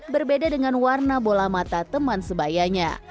berbeda dengan warna bola mata teman sebayanya